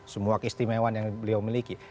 semua keistimewaan yang beliau miliki